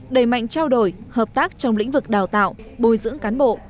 đẩy mạnh trao đổi hợp tác trong lĩnh vực đào tạo bồi dưỡng cán bộ